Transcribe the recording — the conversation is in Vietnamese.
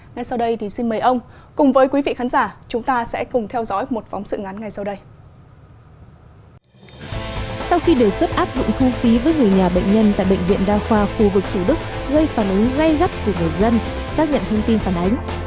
ngay sau đây thì xin mời ông cùng với quý vị khán giả chúng ta sẽ cùng theo dõi một phóng sự ngắn ngay sau đây